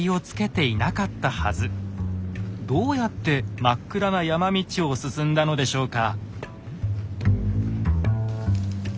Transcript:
どうやって真っ暗な山道を進んだのでしょうか？